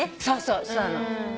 そうなの。